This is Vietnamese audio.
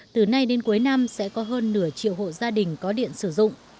từ nay đến cuối năm sẽ có hơn nửa triệu hộ gia đình có điện sử dụng